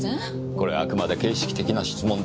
これはあくまで形式的な質問です。